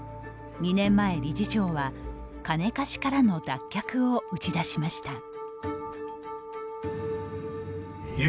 ２年前、理事長は「金貸し」からの脱却を打ち出しました。